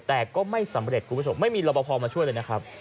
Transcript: แต่ก็ไม่สำเร็จคุณผู้ชมไม่มีรอปภมาช่วยเลยนะครับ